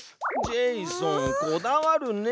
ジェイソンこだわるね。